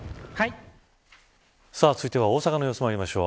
続いては大阪の様子まいりましょう。